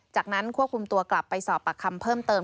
จากนั้นควบคุมตัวกลับไปสอบปากคำเพิ่มเติม